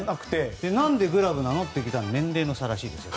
何でグラブなの？って聞いたら年齢の差らしいですよ。